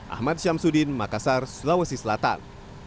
ahmad syamsuddin makassar sulawesi selatan